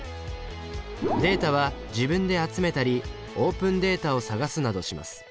データは自分で集めたりオープンデータを探すなどします。